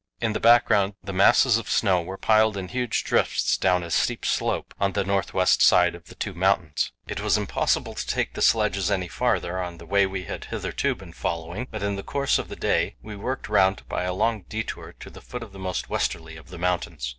In the background the masses of snow were piled in huge drifts down a steep slope on the north west side of the two mountains. It was impossible to take the sledges any farther on the way we had hitherto been following, but in the course of the day we worked round by a long detour to the foot of the most westerly of the mountains.